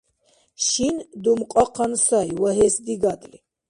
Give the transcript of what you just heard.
Шин думкьахъан сай, вагьес дигадли.